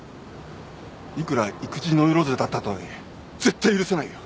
いくら育児ノイローゼだったとはいえ絶対許せないよ。